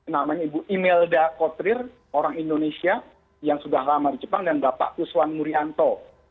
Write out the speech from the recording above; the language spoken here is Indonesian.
namanya ibu imelda kotrir orang indonesia yang sudah lama di jepang dan bapak kuswan murianto